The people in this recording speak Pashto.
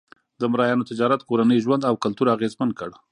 د مریانو تجارت کورنی ژوند او کلتور اغېزمن کړ.